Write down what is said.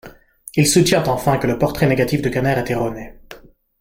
Il soutient enfin que le portrait négatif de Kanner est erroné.